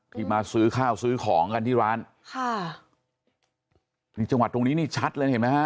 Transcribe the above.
มาซื้อข้าวซื้อของกันที่ร้านค่ะนี่จังหวัดตรงนี้นี่ชัดเลยเห็นไหมฮะ